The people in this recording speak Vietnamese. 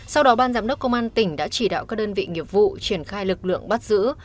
sau đó ban giám đốc công an tỉnh đã chỉ đạo các đơn vị nghiệp vụ triển khai lực lượng bắt giữ